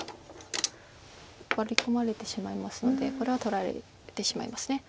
ワリ込まれてしまいますのでこれは取られてしまいます。